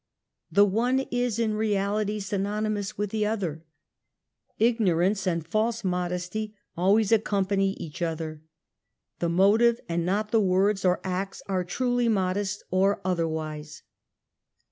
The one is in reality synonymous with the other. Ignorance and false \, modesty always accompany each other. The motive and not the words or acts are truly modest or other wise.